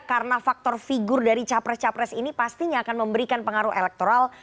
karena faktor figur dari capres capres ini pastinya akan memberikan pengaruh elektoral